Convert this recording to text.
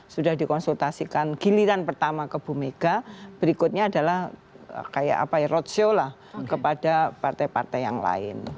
sudah dikonsultasikan giliran pertama ke bumega berikutnya adalah kayak apa ya roadshow lah kepada partai partai yang lain